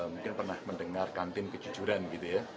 mungkin pernah mendengar kantin kejujuran gitu ya